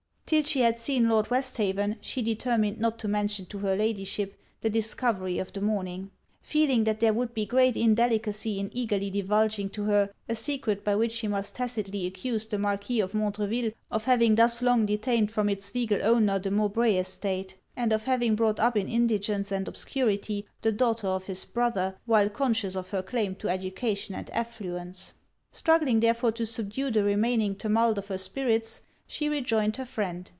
'Till she had seen Lord Westhaven, she determined not to mention to her Ladyship the discovery of the morning; feeling that there would be great indelicacy in eagerly divulging to her a secret by which she must tacitly accuse the Marquis of Montreville of having thus long detained from its legal owner the Mowbray estate; and of having brought up in indigence and obscurity, the daughter of his brother, while conscious of her claim to education and affluence. Struggling therefore to subdue the remaining tumult of her spirits, she rejoined her friend.